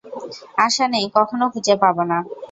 আশা নেই, কখনোই খুঁজে পাব না।